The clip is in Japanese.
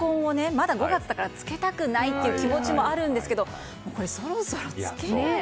まだ５月だからつけたくない気持ちもあるんですけどそろそろつけないと。